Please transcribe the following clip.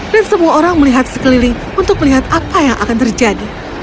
dan semua orang melihat sekeliling untuk melihat apa yang akan terjadi